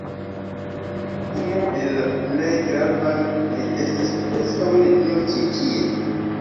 Unu el la plej gravaj kaj estas preskaŭ nenio ĉi tie